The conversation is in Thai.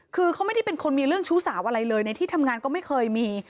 คือเขาไม่ได้เป็นคนมีเรื่องชู้สาวอะไรเลยในที่ทำงานก็ไม่เคยมี